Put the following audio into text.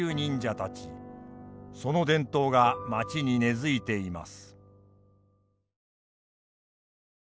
その伝統が町に根づいています。